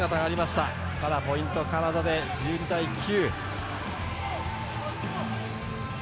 ただ、ポイントはカナダで１２対９。